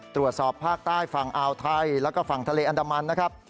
ตรวจสอบภาคใต้ฝั่งอ่าวไทยแล้วก็ฝั่งทะเลอันดามันนะครับ